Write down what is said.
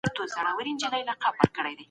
پر کتاب مې